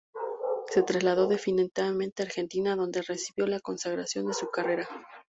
Se trasladó definitivamente a Argentina donde recibió la consagración de su carrera.